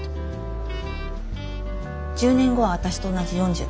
１０年後は私と同じ４０。